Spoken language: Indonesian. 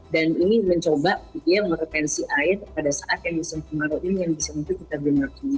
dan ini mencoba gitu ya merepensi air pada saat yang bisa kita benarkan